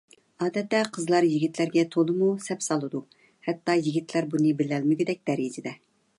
ئادەتتە قىزلار يىگىتلەرگە تولىمۇ سەپسالىدۇ. ھەتتا يىگىتلەر بۇنى بىلەلمىگۈدەك دەرىجىدە.